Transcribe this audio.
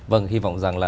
vâng hy vọng rằng